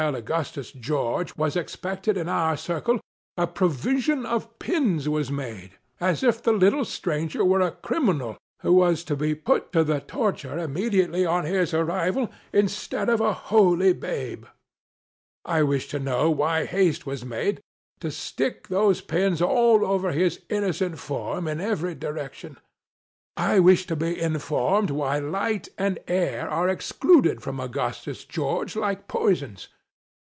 Augustus George, was expected in our circle, a provision of pins was made, as if the little stranger were a criminal who was to be put to the torture immediately on his arrival, instead of a holy babe 1 I wish to know why haste was made to stick those pins all over his innocent form, in every direction ? I wish to be informed why light and air are excluded from Augustus George, like poisons